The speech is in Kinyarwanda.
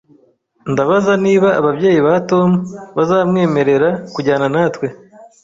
Ndabaza niba ababyeyi ba Tom bazamwemerera kujyana natwe